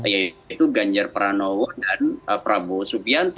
yaitu ganjar pranowo dan prabowo subianto